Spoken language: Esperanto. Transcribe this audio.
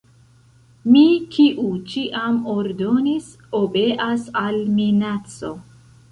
Mi, kiu ĉiam ordonis, obeas al minaco.